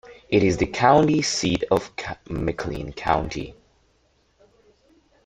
It is the county seat of McLean County.